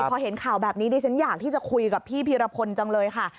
พอเห็นข่าวแบบนี้ดิฉันอยากที่จะคุยกับพี่พีรพลจังเลยค่ะ